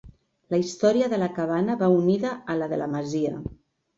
La història de la cabana va unida a la de la masia.